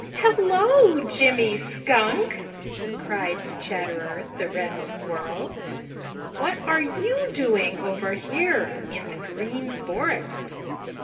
"Hello, Jimmy Skunk," cried Chatterer the Red Squirrel. "What are you doing over here in the Green Forest?"